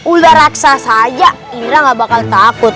ular raksa saja indra gak bakal takut